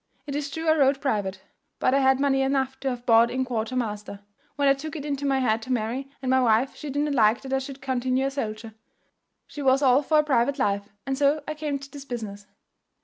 It is true I rode private; but I had money enough to have bought in quarter master, when I took it into my head to marry, and my wife she did not like that I should continue a soldier, she was all for a private life; and so I came to this business."